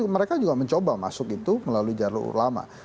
mereka juga mencoba masuk itu melalui jalur ulama